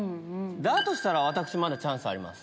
だとしたら私まだチャンスあります。